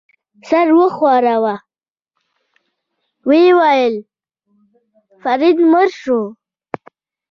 سر وښوراوه، ویې ویل: فرید مړ شو.